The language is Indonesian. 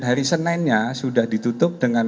hari seninnya sudah ditutup dengan